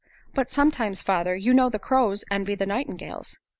But sometimes, father, you know the crows envy the nightingales."